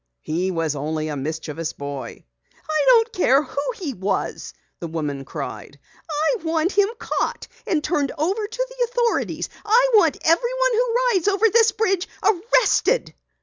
"He was only a mischievous boy." "I don't care who he was!" the woman cried. "I want him caught and turned over to the authorities. I want everyone who rides over this bridge arrested!"